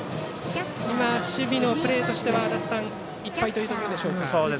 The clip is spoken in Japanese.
今、守備のプレーとしては足達さんいっぱいというところでしょうか。